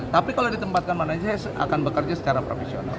tapi kalau ditempatkan mana aja saya akan bekerja secara profesional